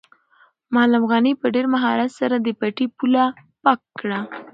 معلم غني په ډېر مهارت سره د پټي پوله پاکه کړه.